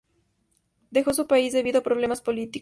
Dejó su país debido a problemas políticos.